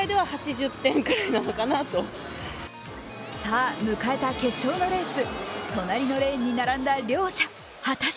さぁ、迎えた決勝のレース。